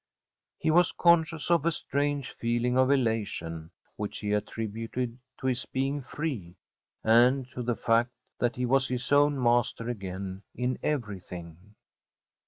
He was conscious of a strange feeling of elation, which he attributed to his being free, and to the fact that he was his own master again in everything.